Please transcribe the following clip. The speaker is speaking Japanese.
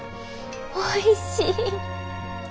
おいしい！